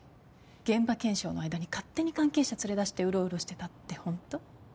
現場検証の間に勝手に関係者連れ出してうろうろしてたってホント？